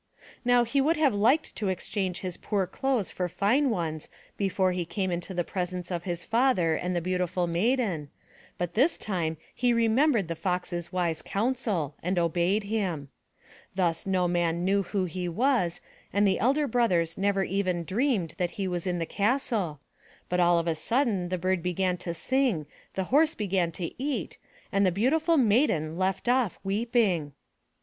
Now he would have liked to exchange his poor clothes for fine ones before he came into the presence of his father and the beautiful Maiden, but this time he remembered the Fox's wise counsel and obeyed him. Thus no man knew who he was and the elder brothers never even dreamed that he was in the castle, but all of a sudden the bird began to sing, the horse began to eat and the beautiful Maiden left off weeping.